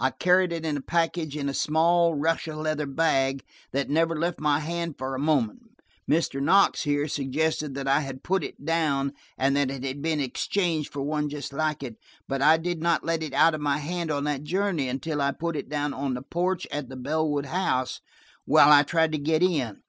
I carried it in a package in a small Russia leather bag that never left my hand for a moment. Mr. Knox here suggested that I had put it down, and it had been exchanged for one just like it, but I did not let it out of my hand on that journey until I put it down on the porch at the Bellwood house, while I tried to get in.